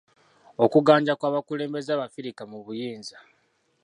Okuganja kw'abakulembeze abafirika mu buyinza.